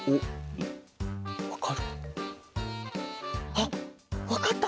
あっわかった！